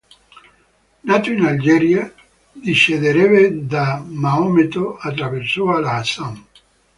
Nato in Algeria discenderebbe da Maometto attraverso al-Hasan.